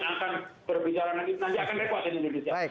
akan berbicara nanti